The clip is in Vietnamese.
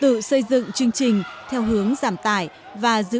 tự xây dựng chương trình theo hướng giảm tài và giữ tài